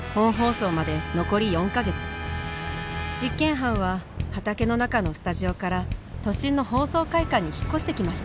実験班は畑の中のスタジオから都心の放送会館に引っ越してきました。